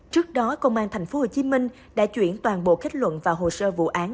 trước đó công an tp hcm đã chuyển toàn bộ kết luận và hồ sơ vụ án